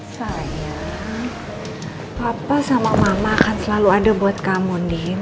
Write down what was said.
saya papa sama mama akan selalu ada buat kamu nih